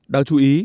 đáng chú ý